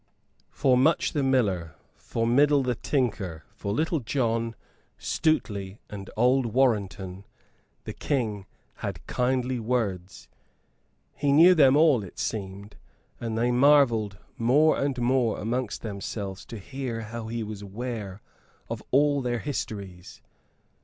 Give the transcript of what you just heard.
For Much the Miller, for Middle the Tinker, for Little John, Stuteley and old Warrenton the King had kindly words. He knew them all, it seemed; and they marvelled more and more amongst themselves to hear how he was aware of all their histories.